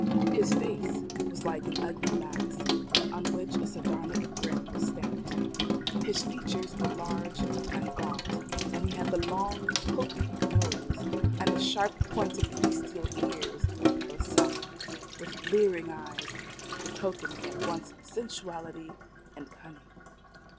His face was like an ugly mask, on which a sardonic grin was stamped. His features were large and gaunt, and he had the long, hooked nose, and the sharp pointed bestial ears of a satyr, with leering eyes betokening at once sensuality and cunning.